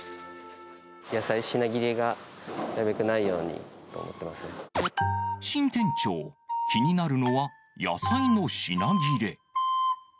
野菜品切れがないようにと思新店長、気になるのは野菜の品切れ。